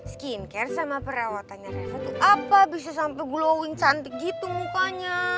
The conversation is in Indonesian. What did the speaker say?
skincare sama perawatannya revo tuh apa bisa sampai glowing cantik gitu mukanya